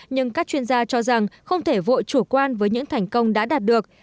nhưng các chuyên gia cho rằng không thể vội chủ quan với những thành công đã đạt được